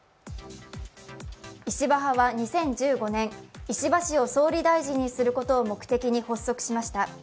石破派は２０１５年、石破氏を総理大臣にすることを目的に発足しました。